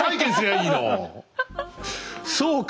そうか。